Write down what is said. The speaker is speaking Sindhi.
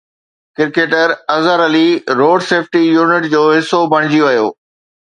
cricketer Azhar Ali road safety unit جو حصو بڻجي ويو